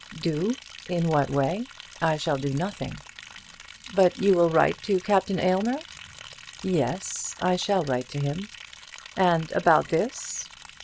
"Do? in what way? I shall do nothing." "But you will write to Captain Aylmer?" "Yes; I shall write to him." "And about this?"